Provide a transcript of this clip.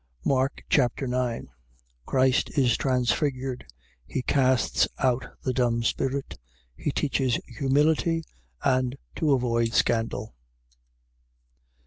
Mark Chapter 9 Christ is transfigured. He casts out the dumb spirit. He teaches humility and to avoid scandal.